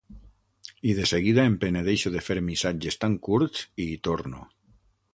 I de seguida em penedeixo de fer missatges tan curts i hi torno.